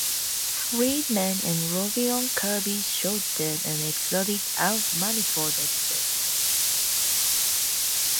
Freedman and Robion Kirby showed that an exotic R manifold exists.